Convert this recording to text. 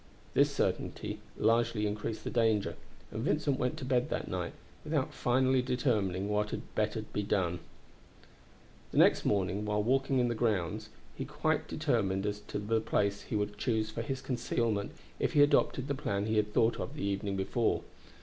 This certainty largely increased the danger, and Vincent went to bed that night without finally determining what had better be done. The next morning while walking in the grounds he quite determined as to the place he would choose for his concealment if he adopted the plan he had thought of the evening before.